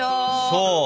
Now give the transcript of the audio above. そう。